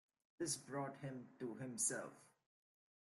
This brought him to himself.